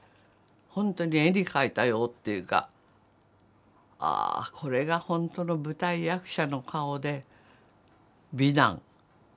本当に絵に描いたようっていうか「ああこれが本当の舞台役者の顔で美男」。